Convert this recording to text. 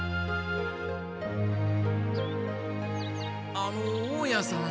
あの大家さん？